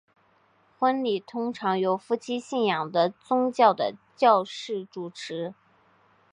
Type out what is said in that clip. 婚礼通常由夫妻信仰的宗教的教士主持。